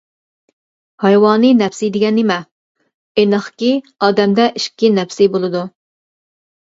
ھايۋانىي نەپسى دېگەن نېمە؟ ئېنىقكى، ئادەمدە ئىككى نەپسى بولىدۇ.